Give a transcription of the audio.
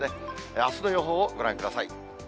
あすの予報をご覧ください。